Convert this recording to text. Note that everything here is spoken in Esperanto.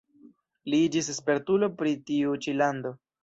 Li iĝis spertulo pri tiu ĉi lando.